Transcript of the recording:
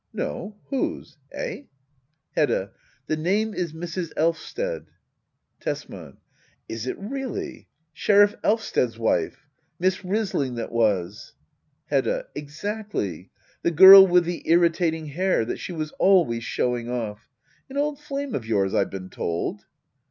No. Whose? Eh? Hedda. The name is " Mrs. Elvsted." Tesman. Is it really ? Sheriff Elvsted's wife I Miss Rysing that was. Hedda. Exactly. The girl with the irritating hair, that she was always showing off. An old flame of yours^ I've been told.